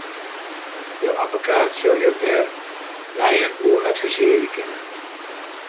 Jo abbekaat sil jo dêr neier oer advisearje kinne.